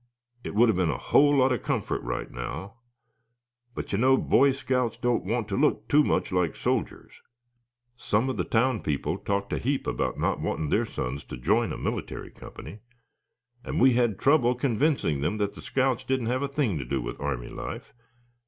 It would have been a whole lot of comfort right now. But you know, Boy Scouts don't want to look too much like soldiers. Some of the town people talked a heap about not wanting their sons to join a military company; and we had trouble convincing them that the scouts didn't have a thing to do with army life.